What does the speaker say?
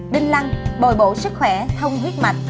đinh lăng bồi bộ sức khỏe thông huyết mạch